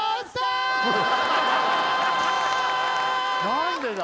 何でだ